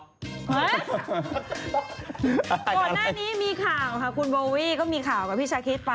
ก่อนหน้านี้มีข่าวขึ้นบอวิลุก็มีข่าวกับพี่ชะคริ๊ด